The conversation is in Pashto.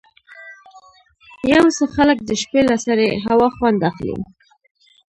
یو څه خلک د شپې له سړې هوا خوند اخلي.